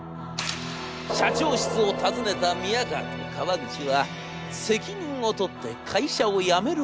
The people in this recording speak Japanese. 社長室を訪ねた宮河と川口は責任を取って会社を辞める覚悟でした。